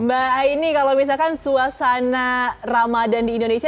mbak aini kalau misalkan suasana ramadan di indonesia